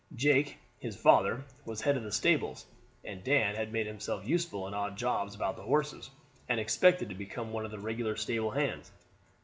Jake, his father, was head of the stables, and Dan had made himself useful in odd jobs about the horses, and expected to become one of the regular stable hands.